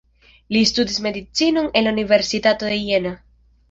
Li studis medicinon en la Universitato de Jena.